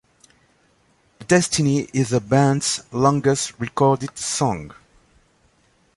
"Destiny" is the band's longest recorded song.